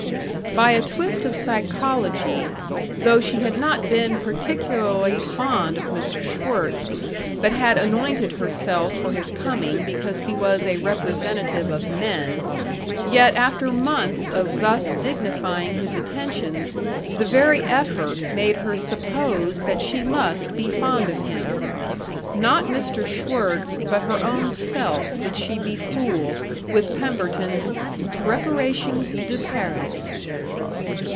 By a twist of psychology, though she had not been particularly fond of Mr. Schwirtz, but had anointed herself for his coming because he was a representative of men, yet after months of thus dignifying his attentions, the very effort made her suppose that she must be fond of him. Not Mr. Schwirtz, but her own self did she befool with Pemberton's "Preparations de Paris."